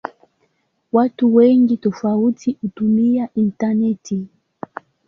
Watu wengi tofauti hutumia intaneti.